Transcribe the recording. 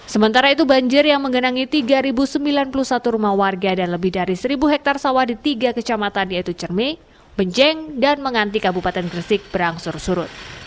sementara itu banjir yang mengenangi tiga sembilan puluh satu rumah warga dan lebih dari seribu hektare sawah di tiga kecamatan yaitu cermi benjeng dan menganti kabupaten gresik berangsur surut